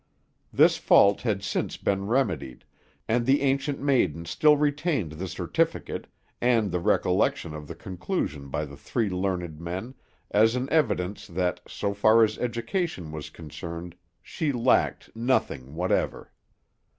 This fault had since been remedied, and the Ancient Maiden still retained the certificate, and the recollection of the conclusion by the three learned men, as an evidence that, so far as education was concerned, she lacked nothing whatever.